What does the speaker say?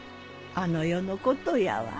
あの世のことやわ。